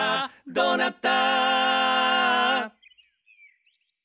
「どうなった！」